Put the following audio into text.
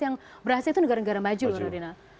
yang berhasil itu negara negara maju radinal